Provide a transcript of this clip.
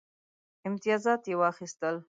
امتیازات یې واخیستل.